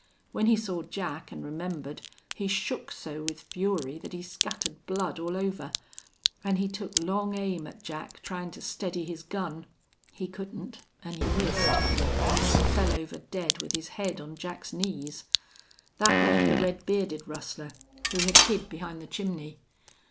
When he saw Jack an' remembered he shook so with fury that he scattered blood all over. An' he took long aim at Jack, tryin' to steady his gun. He couldn't, an' he missed, an' then fell over dead with his head on Jack's knees. That left the red bearded rustler, who had hid behind the chimney.